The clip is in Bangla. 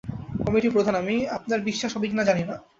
কমিটির প্রধান আমি, আপনার বিশ্বাস হবে কিনা জানিনা।